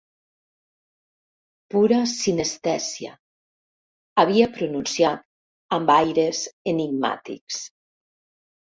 Pura sinestèsia —havia pronunciat amb aires enigmàtics.